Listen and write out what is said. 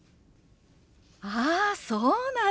ああそうなの。